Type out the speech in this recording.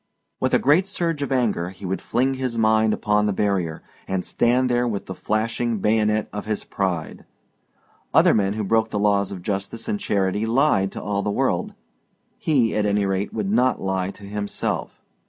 With a great surge of anger, he would fling his mind upon the barrier and stand there with the flashing bayonet of his pride. Other men who broke the laws of justice and charity lied to all the world. He at any rate would not lie to himself.